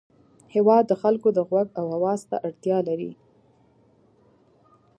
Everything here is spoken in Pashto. هېواد د خلکو د غوږ او اواز ته اړتیا لري.